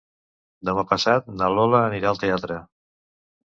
Demà passat na Lola anirà al teatre.